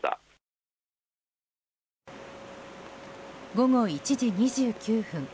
午後１時２９分